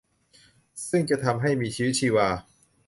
ซึ่งจะทำให้มีชีวิตชีวา